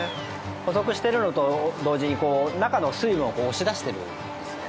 細くしてるのと同時に中の水分を押し出してるんですね。